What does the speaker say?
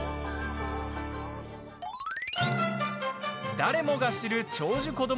誰もが知る長寿子ども